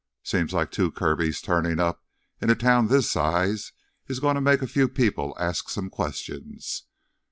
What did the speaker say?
Seems like two Kirbys turnin' up in a town this size is gonna make a few people ask some questions."